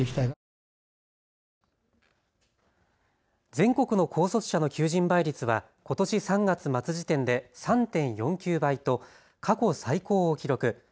全国の高卒者の求人倍率はことし３月末時点で３．４９倍と過去最高を記録。